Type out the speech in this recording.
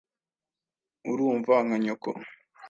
Urumva nka nyoko.